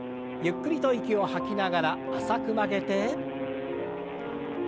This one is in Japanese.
ゆっくりと息を吐きながら浅く曲げて。